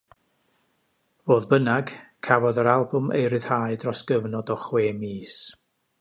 Fodd bynnag, cafodd yr albwm ei rhyddhau dros gyfnod o chwe mis.